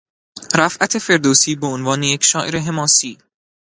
رفعت فردوسی به عنوان یک شاعر حماسی